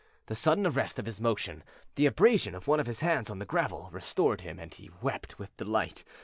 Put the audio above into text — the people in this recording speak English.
The sudden arrest of his motion, the abrasion of one of his hands on the gravel, restored him, and he wept with delight.